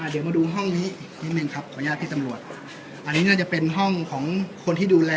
เดี๋ยวมาดูห้องนี้อีกนิดนึงครับขออนุญาตพี่ตำรวจอันนี้น่าจะเป็นห้องของคนที่ดูแล